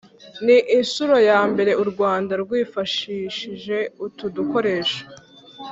Ni inshuro ya mbere u Rwanda rwifashishije utu dukoresho